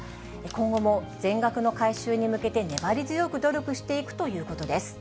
今後も全額の回収に向けて粘り強く努力していくということです。